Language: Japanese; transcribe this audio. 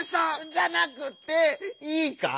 じゃなくていいか？